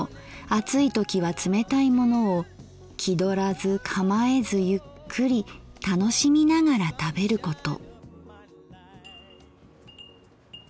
暑いときは冷たいものを気どらず構えずゆっくり楽しみながら食べること」。